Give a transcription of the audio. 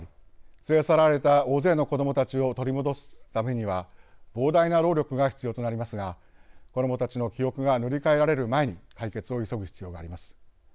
連れ去られた大勢の子どもたちを取り戻すためには膨大な労力が必要となりますが子どもたちの記憶が塗り替えられる前に解決を急ぐ必要があります。